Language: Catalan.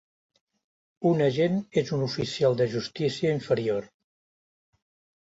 Un agent és un oficial de justícia inferior